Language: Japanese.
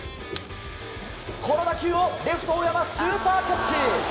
この打球をレフトの大山スーパーキャッチ！